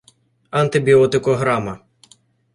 антибіотикограма